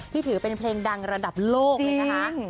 ถือเป็นเพลงดังระดับโลกเลยนะคะ